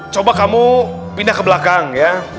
coba kamu pindah ke belakang ya